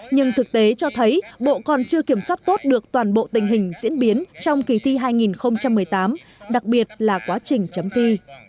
nhưng thực tế cho thấy bộ còn chưa kiểm soát tốt được toàn bộ tình hình diễn biến trong kỳ thi hai nghìn một mươi tám đặc biệt là quá trình chấm thi